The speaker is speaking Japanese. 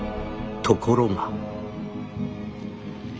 ところが」。